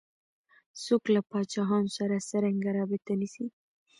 څوک له پاچاهانو سره څرنګه رابطه نیسي.